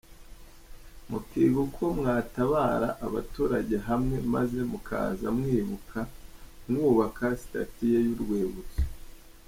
mukiga uko mwatabara abaturage hamwe maze mukaza mwibuka mwubaka statue ye yu rwibutso